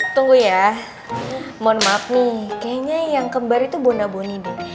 tunggu ya mohon maaf nih kayaknya yang kembar itu bona boni nih